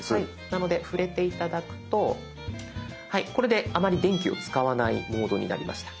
なので触れて頂くとはいこれであまり電気を使わないモードになりました。